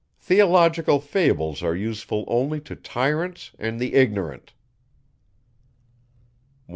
Theological fables are useful only to tyrants and the ignorant. 197.